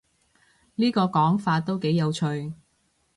呢個講法都幾有趣